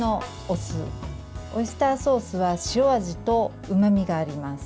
オイスターソースは塩味とうまみがあります。